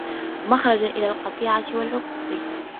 وَمَخْرَجًا إلَى الْقَطِيعَةِ وَالْعُقُوقِ